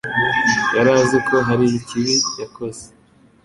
yari azi ko hari ikibi yakoze.